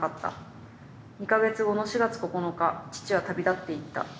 ２か月後の４月９日父は旅立っていった。